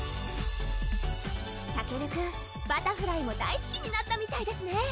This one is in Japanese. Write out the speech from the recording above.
たけるくんバタフライも大すきになったみたいですね